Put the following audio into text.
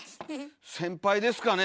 先輩ですかね？